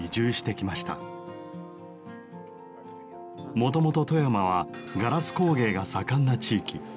もともと富山はガラス工芸が盛んな地域。